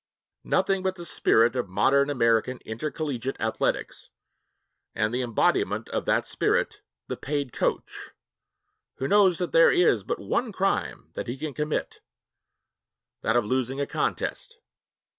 Nothing but the spirit of modern American intercollegiate athletics and the embodiment of that spirit, the paid coach, who knows that there is but one crime that he can commit that of losing a contest.